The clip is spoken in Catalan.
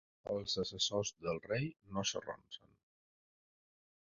Els assessors del rei no s'arronsen.